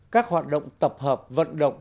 các hoạt động tập hợp vận động